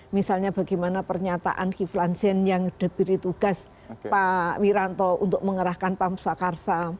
misalnya bagaimana pernyataan kiflan zen yang diberi tugas pak wiranto untuk mengerahkan pam swakarsa